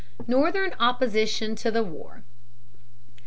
Northern Opposition to the War.